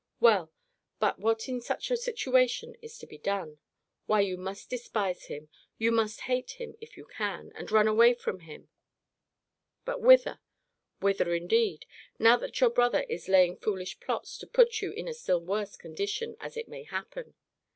Well, but what in such a situation is to be done? Why, you must despise him: you must hate him, if you can, and run away from him But whither? Whither indeed, now that your brother is laying foolish plots to put you in a still worse condition, as it may happen.